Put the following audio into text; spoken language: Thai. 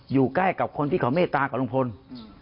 อยู่ใกล้กับคนที่เขาเมตตากับลุงพล